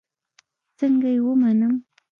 څنگه يې ومنم.